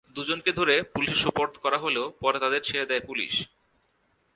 দুজনকে ধরে পুলিশে সোপর্দ করা হলেও পরে তাদের ছেড়ে দেয় পুলিশ।